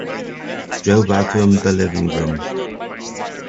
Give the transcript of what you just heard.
Jo vacuumed the living room.